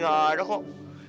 gak ada kok